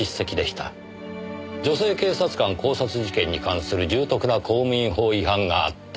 「女性警察官絞殺事件に関する重篤な公務員法違反があった」